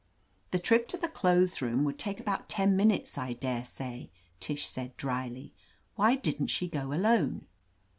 "The trip to the clothes room would take about ten minutes, I daresay," Tish said dryly. "Why didn't she go alone?"